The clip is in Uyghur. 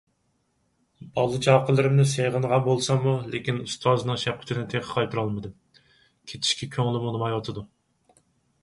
بالا - چاقىلىرىمنى سېغىنغان بولساممۇ، لېكىن ئۇستازنىڭ شەپقىتىنى تېخى قايتۇرالمىدىم. كېتىشكە كۆڭلۈم ئۇنىمايۋاتىدۇ.